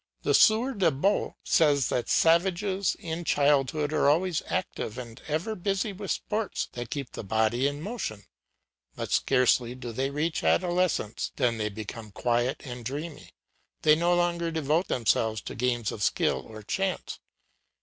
The Sieur de Beau says that savages in childhood are always active, and ever busy with sports that keep the body in motion; but scarcely do they reach adolescence than they become quiet and dreamy; they no longer devote themselves to games of skill or chance.